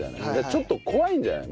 ちょっと怖いんじゃない？